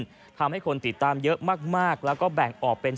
ทรวงบิหนักต้องให้คนตื่นตามเยอะมากและแบ่งออกเป็น